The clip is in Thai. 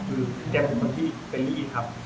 เด็กเป็นคนที่ก่อนที่เฟเลยครับ